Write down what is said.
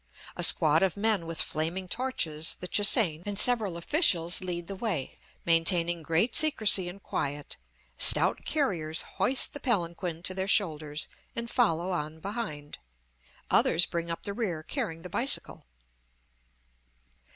A squad of men with flaming torches, the Che hsein, and several officials lead the way, maintaining great secrecy and quiet; stout carriers hoist the palanquin to their shoulders and follow on behind; others bring up the rear carrying the bicycle.